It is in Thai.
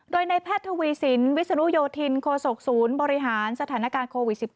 โดยในแพทย์ทวีสินวิศนุโยธินโคศกศูนย์บริหารสถานการณ์โควิด๑๙